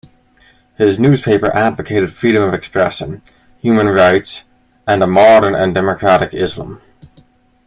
His newspaper advocated freedom of expression, human rights and a modern and democratic Islam.